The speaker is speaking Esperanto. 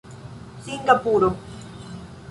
singapuro